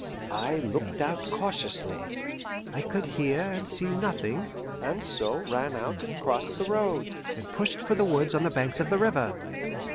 I looked out cautiously. I could hear and see nothing, and so ran out and crossed the road, and pushed for the woods on the banks of the river.